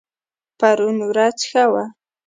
پرون ورځ ښه وه